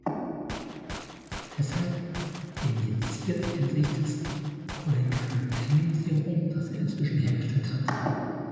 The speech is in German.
Deshalb injiziert er sich das Coelacanthen-Serum, das er inzwischen hergestellt hat.